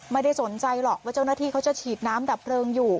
ไม่ได้สนใจหรอกว่าเจ้าหน้าที่เขาจะฉีดน้ำดับเพลิงอยู่